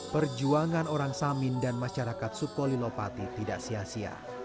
perjuangan orang samin dan masyarakat sukolilopati tidak sia sia